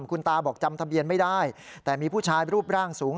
คุณตาบอกจำทะเบียนไม่ได้แต่มีผู้ชายรูปร่างสูง